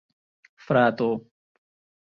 frato